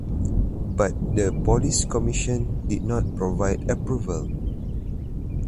But the Police Commission did not provide approval.